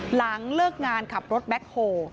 หลังเลิกงานขับรถแบ็คโฮ